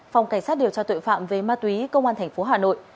phòng cảnh sát điều tra tội phạm về ma túy công an tp hà nội